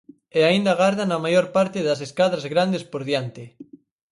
E aínda agardan a maior parte das escadras grandes por diante.